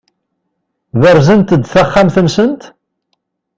Berzent-d taxxamt-nsent?